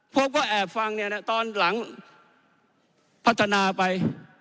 ผมก็แอบฟังตอนหลังพัฒนาไป